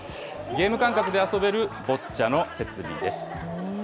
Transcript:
ゲーム感覚で遊べるボッチャの設備です。